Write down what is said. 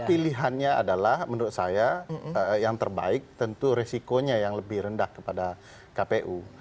pilihannya adalah menurut saya yang terbaik tentu resikonya yang lebih rendah kepada kpu